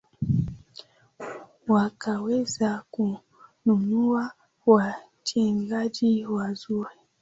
wakaweza kununua wachezaji wazuri